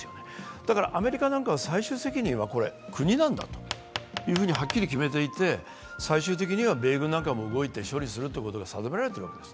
だからアメリカなんかは最終責任は国なんだとはっきり決められていて最終的には米軍なども動いて処理することが定められているわけです。